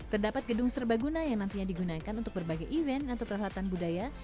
terdapat gedung serbaguna yang nantinya digunakan untuk berbagai event atau peralatan budaya